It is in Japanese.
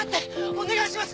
お願いします